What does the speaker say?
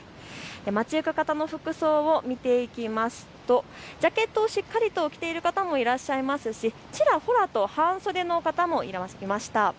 街行く方の服装を見ていきますとジャケットをしっかりと着ている方もいらっしゃいますしちらほらと半袖の方もいらっしゃいました。